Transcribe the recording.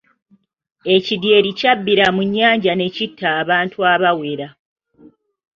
Ekidyeri kyabbira mu nnyanja ne kitta abantu abawera.